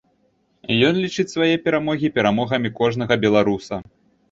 Ён лічыць свае перамогі перамогамі кожнага беларуса.